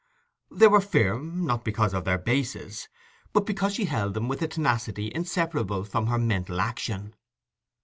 They were firm, not because of their basis, but because she held them with a tenacity inseparable from her mental action.